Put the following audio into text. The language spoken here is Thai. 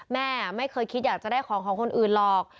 แม่ไม่เคยคิดอยากจะได้ของของคนอื่นหรอก